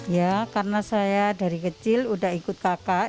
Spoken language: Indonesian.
ya karena saya dari kecil udah ikut kakak